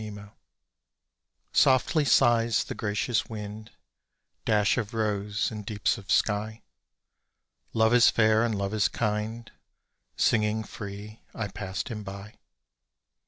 SONG Softly sighs the gracious wind Dash of rose, in deeps of sky, Love is fair and love is kind, Singing free I passed him by.